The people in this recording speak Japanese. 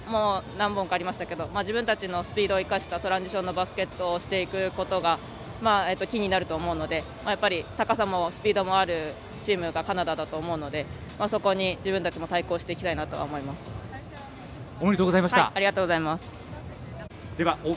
きょうも何本かありましたけど自分たちのスピードを生かしたトランジションのバスケットをしていくのがキーになると思うのでやっぱり高さもスピードもあるチームがカナダだと思うのでそこに自分たちもおめでとうございました。